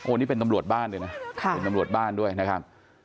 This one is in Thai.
คนนี้เป็นตำรวจบ้านเลยนะเป็นตำรวจบ้านด้วยนะครับ